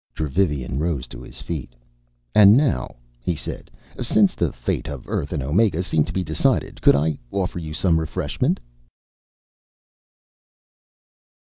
Dravivian rose to his feet. "And now," he said, "since the fate of Earth and Omega seem to be decided, could I offer you some refreshment?"